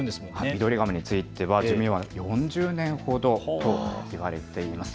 ミドリガメについては４０年ほどといわれています。